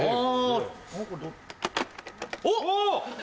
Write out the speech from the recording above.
おっ！